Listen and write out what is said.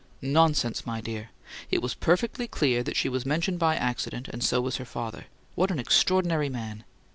"Nonsense, my dear! It was perfectly clear that she was mentioned by accident, and so was her father. What an extraordinary man!